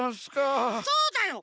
そうだよ